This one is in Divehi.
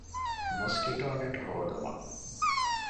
މޮސްކިޓޯނެޓް ހޯދުމަށް